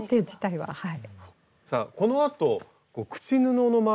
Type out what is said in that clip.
はい。